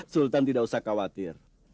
sultan tidak usah khawatir